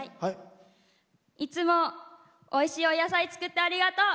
いつもおいしいお野菜作ってありがとう！